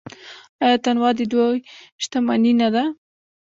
آیا تنوع د دوی شتمني نه ده؟